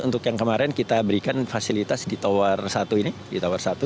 untuk yang kemarin kita berikan fasilitas di tower satu ini